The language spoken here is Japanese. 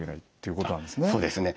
そうですね。